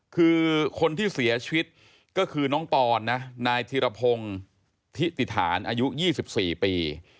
คือคนที่เสียชีวิตก็คือน้องปอนนะนายธิรพงศ์ทิติฐานอายุ๒๔ปี